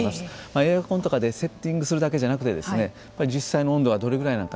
エアコンとかでセッティングするだけじゃなくて実際の温度はどれぐらいなのか。